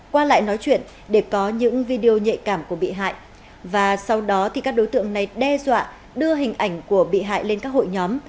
qua lại nói chuyện để có những video nhạy cảm của bị hại và sau đó thì các đối tượng này đe dọa đưa hình ảnh của bị hại lên các hội nhóm